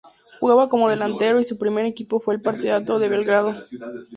Jugaba como delantero y su primer equipo fue el Partizán de Belgrado.